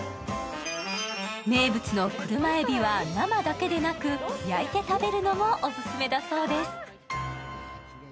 名物の車えびは生だけでなく焼いて食べるのもおすすめだそうです。